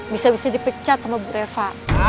bisa bisa dipecat sama bu reva